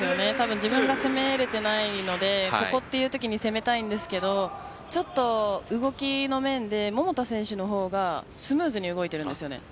自分が攻めれていないのでここというときに攻めたいんですがちょっと動きの面で桃田選手の方がスムーズに動いているんですよね。